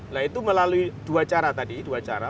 nah itu melalui dua cara